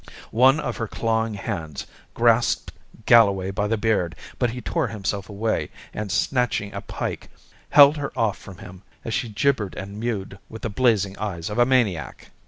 One of her clawing hands grasped Galloway by the beard, but he tore himself away, and snatching a pike, held her off from him as she gibbered and mowed with the blazing eyes of a maniac.